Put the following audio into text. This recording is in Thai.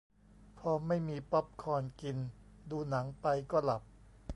พอไม่มีป๊อปคอร์นกิน ดูหนังไปก็หลับ